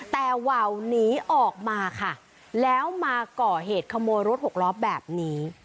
แต่ว่าวหนีออกมาค่ะแล้วมาก่อเหตุขโมยรถหกล้อแบบนี้